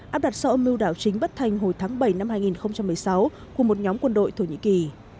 áp đặt sau âm mưu đảo chính bất thành hồi tháng bảy năm hai nghìn một mươi sáu của một nhóm quân đội thổ nhĩ kỳ